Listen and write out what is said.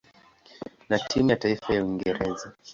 na timu ya taifa ya Uingereza.